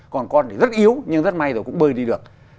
còn con thì rất yếu nhưng rất may rồi cũng bơi đi được